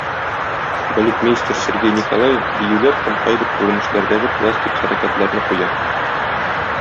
Балетмейстер Сергей Николаев биюләр һәм кайбер күренешләрдәге пластик хәрәкәтләрне куя.